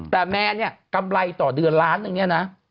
แต่แมนเนี่ยกำไรต่อเดือนล้านหนึ่งเนี่ยนะ